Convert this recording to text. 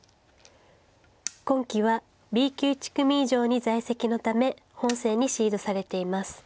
今期はＢ級１組以上に在籍のため本戦にシードされています。